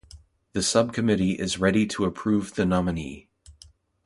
The subcommittee is ready to approve the nominee.